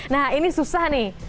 nah ini susah nih